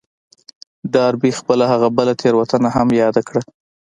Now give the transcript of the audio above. ډاربي خپله هغه بله تېروتنه هم ياده کړه.